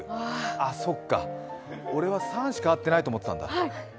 あっ、そっか、俺はサンしか合ってないと思ったんだ。